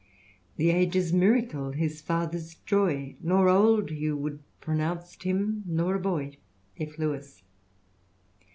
" The age's miracle, his father's joy 1 Nor old you wou'd pronounce him, nor a boy." F. Lbwis.